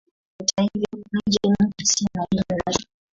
Hata hivyo Niger ni nchi isiyo na dini rasmi.